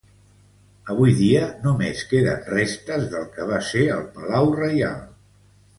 Avui dia només queden restes del que va ser el palau reial.